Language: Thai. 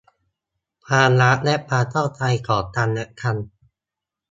ความรักและความเข้าใจต่อกันและกัน